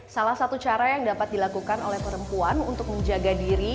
salah satu cara yang dapat dilakukan oleh perempuan untuk menjaga diri